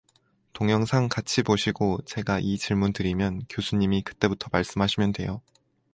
동영상 같이 보시고 제가 이 질문 드리면 교수님이 그때부터 말씀하시면 돼요.